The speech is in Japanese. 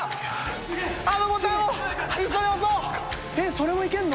それもいけるの？